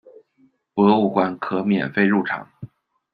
博物馆可免费入场。